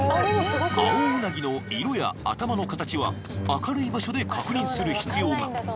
［青うなぎの色や頭の形は明るい場所で確認する必要が］